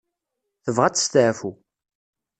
Tebɣa ad testaɛfu.